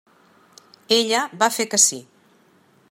Ella va fer que sí.